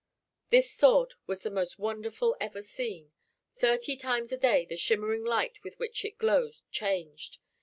This sword was the most wonderful ever seen. Thirty times a day the shimmering light with which it glowed changed.